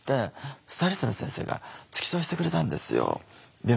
スタイリストの先生が付き添いしてくれたんですよ病院まで。